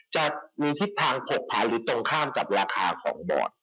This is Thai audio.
จะมีทิศทางผกผาหรือตรงข้ามกับราคาของบอร์ด